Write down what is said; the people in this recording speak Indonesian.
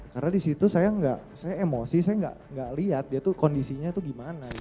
karena disitu saya emosi saya nggak lihat dia kondisinya itu gimana